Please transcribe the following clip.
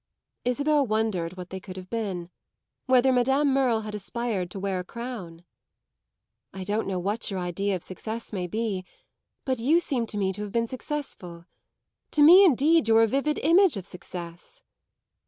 Isabel wondered what they could have been whether Madame Merle had aspired to wear a crown. "I don't know what your idea of success may be, but you seem to me to have been successful. To me indeed you're a vivid image of success."